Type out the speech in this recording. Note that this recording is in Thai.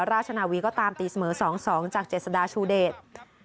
ราชนาวีก็ตามตีเสมอ๒๒จากเจษฎาชูเดช